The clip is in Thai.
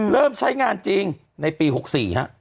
เริ่มใช้งานจริงในปี๖๔ฮะ